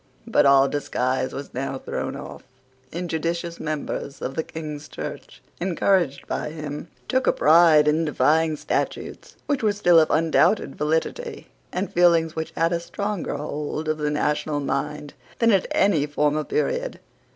But all disguise was now thrown off. Injudicious members of the King's Church, encouraged by him, took a pride in defying statutes which were still of undoubted validity, and feelings which had a stronger hold of the national mind than at any former period.